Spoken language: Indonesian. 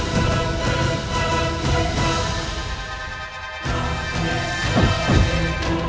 mengapa protagonis semua ini selalu